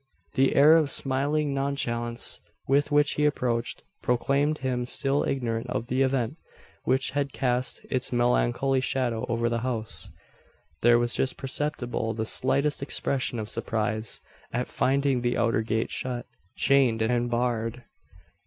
The air of smiling nonchalance with which he approached, proclaimed him still ignorant of the event which had cast its melancholy shadow over the house. There was just perceptible the slightest expression of surprise, at finding the outer gate shut, chained, and barred.